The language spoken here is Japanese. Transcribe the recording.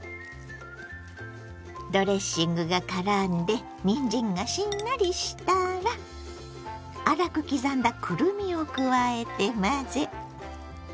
ドレッシングがからんでにんじんがしんなりしたら粗く刻んだくるみを加えて混ぜ。